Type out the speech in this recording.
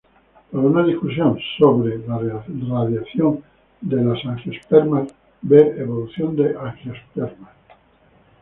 Para una discusión sobre la radiación de las angiospermas ver Evolución de angiospermas.